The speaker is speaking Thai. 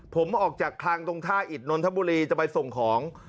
ผมออกจากคลังตรงท่าอิดนนทบุรีจะไปส่งของ